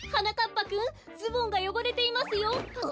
ぱくんズボンがよごれていますよ。